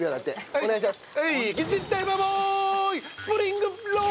お願いします。